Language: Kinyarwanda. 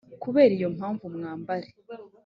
kubera iyo mpamvu mwambare